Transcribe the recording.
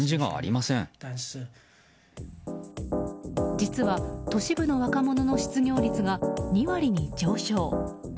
実は、都市部の若者の失業率が２割に上昇。